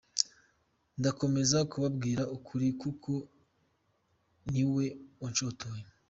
Ndakomeza kubabwira ukuri kuko ni we wanshotoye.